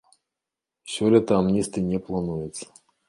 Сёлета амністыі не плануецца.